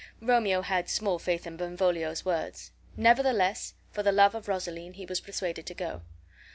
Romeo had small faith in Benvolio's words; nevertheless, for the love of Rosaline, he was persuaded to go.